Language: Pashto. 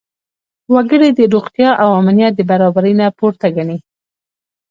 وګړي روغتیا او امنیت د برابرۍ نه پورته ګڼي.